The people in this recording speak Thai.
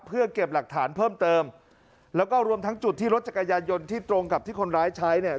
เพื่อเก็บหลักฐานเพิ่มเติมแล้วก็รวมทั้งจุดที่รถจักรยานยนต์ที่ตรงกับที่คนร้ายใช้เนี่ย